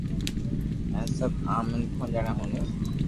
ھين سب عام مينکون جيڻي ھوڻيون